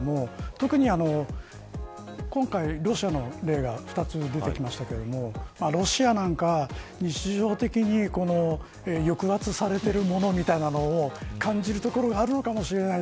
特に今回、ロシアの例が２つ出てきましたけどロシアなんか日常的に抑圧されているものみたいなもの感じるところがあるのかもしれない。